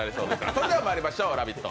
それではまいりましょう、「ラヴィット！」